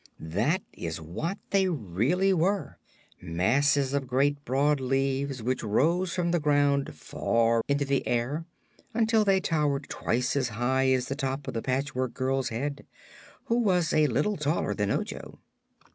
That is what they really were: masses of great broad leaves which rose from the ground far into the air, until they towered twice as high as the top of the Patchwork Girl's head, who was a little taller than Ojo.